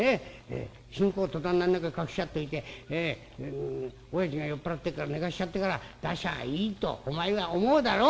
新公を戸棚の中に隠しやっといておやじが酔っ払ってるから寝かしちゃってから出しゃあいいとお前は思うだろ？